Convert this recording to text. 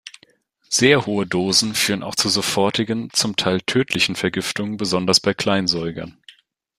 Sehr hohe Dosen führen auch zu sofortigen, zum Teil tödlichen Vergiftungen, besonders bei Kleinsäugern.